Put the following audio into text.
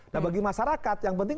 nah bagi masyarakat yang penting